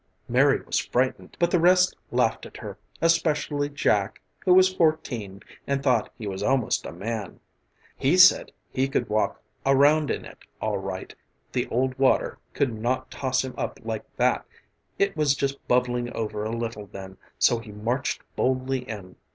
Mary was frightened, but the rest laughed at her, especially Jack, who was fourteen and thought he was almost a man. He said he could walk around in it all right the old water could not toss him up like that. It was just bubbling over a little then, so he marched boldly in.